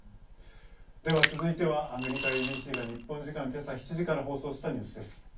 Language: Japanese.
では続いてはアメリカＡＢＣが日本時間、今朝７時から放送したニュースです。